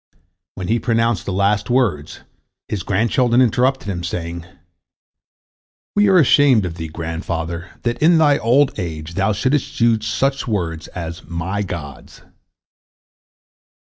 When he pronounced the last words, his grandchildren interrupted him, saying, "We are ashamed of thee, grandfather, that in thy old age thou shouldst use such words as 'my gods.'"